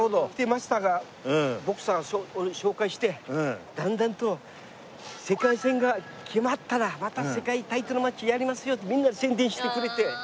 マスターがボクサーを紹介してだんだんと世界戦が決まったら「また世界タイトルマッチやりますよ」ってみんなに宣伝してくれて。